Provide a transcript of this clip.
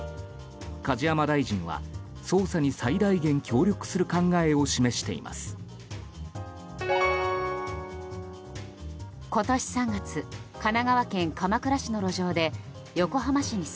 梶山大臣は捜査に最大限協力する考えを示しています。